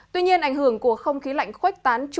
tuy nhiên ảnh hưởng của không khí lạnh khoách tán